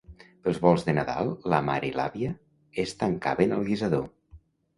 Pels volts de Nadal, la mare i l’àvia es tancaven al guisador.